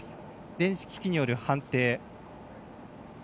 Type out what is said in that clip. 電子機器による判定。